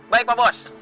baik pak bos